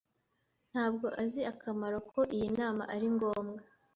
Ntabwo azi akamaro ko iyi nama ari ngombwa.